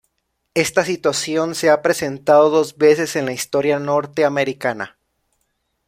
Esta situación se ha presentado dos veces en la historia norteamericana.